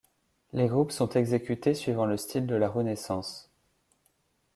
Les groupes sont exécutés suivant le style de la Renaissance.